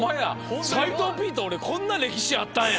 斎藤Ｐと俺こんな歴史あったんや。